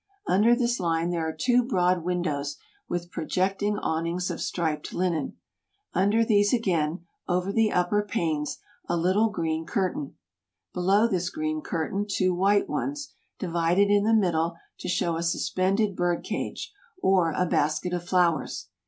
Under this line there are two broad windows with projecting awnings of striped linen. Under these again, over the upper panes, a little green cur tain. Below this green curtain two white ones, divided in the middle to show a suspended bird cage or a basket of flowers.